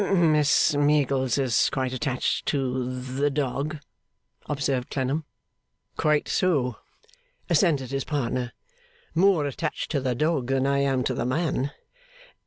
'Miss Meagles is quite attached to the dog,' observed Clennam. 'Quite so,' assented his partner. 'More attached to the dog than I am to the man.